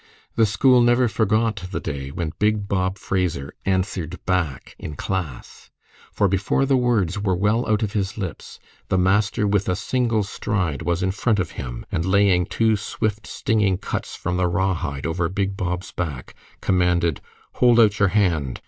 The school never forgot the day when big Bob Fraser "answered back" in class. For, before the words were well out of his lips, the master, with a single stride, was in front of him, and laying two swift, stinging cuts from the rawhide over big Bob's back, commanded, "Hold out your hand!"